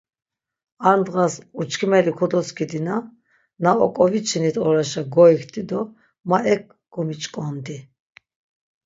Ar dğas uçkimeli kodoskidina na ok̆oviçinit oraşa goikti do ma ek gomiç̆k̆ondi.